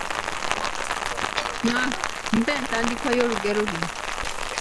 Mpa entandikwa y’olugero luno.